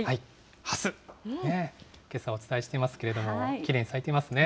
はす、けさお伝えしていますけれども、きれいに咲いていますね。